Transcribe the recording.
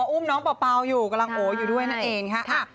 อุ้มน้องเปล่าอยู่กำลังโอ๋อยู่ด้วยนั่นเองค่ะ